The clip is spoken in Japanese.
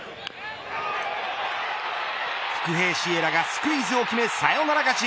伏兵シエラがスクイズを決め、サヨナラ勝ち。